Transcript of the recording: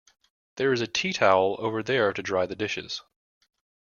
There is a tea towel over there to dry the dishes